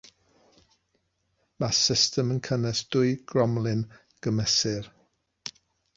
Mae'r system yn cynnwys dwy gromlin gymesur.